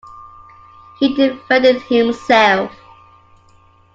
He defended himself.